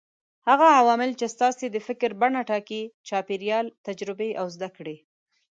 هغه عوامل چې ستاسې د فکر بڼه ټاکي: چاپېريال، تجربې او زده کړې.